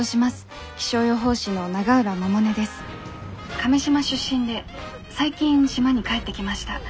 「亀島出身で最近島に帰ってきました。